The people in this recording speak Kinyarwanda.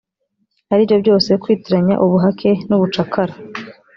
ari byo byose kwitiranya ubuhake n ubucakara